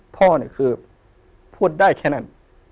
พ่อเนี่ยคือพูดได้แค่นั้น